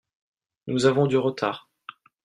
Nous avons du retard.